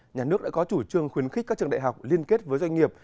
nhà nước đã có chủ trương khuyến khích các trường đại học liên kết với doanh nghiệp